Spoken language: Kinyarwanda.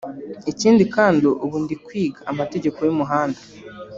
Ikindi kandi ubu ndi kwiga amategeko y’umuhanda